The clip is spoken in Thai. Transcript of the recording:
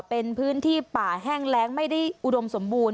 เป็นพื้นที่ป่าแห้งแรงไม่ได้อุดมสมบูรณ